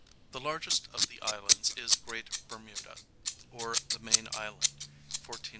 The largest of the islands is Great Bermuda, or the Main Island, 14 m.